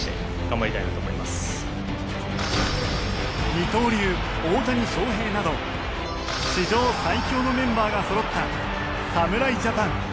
二刀流大谷翔平など史上最強のメンバーがそろった侍ジャパン。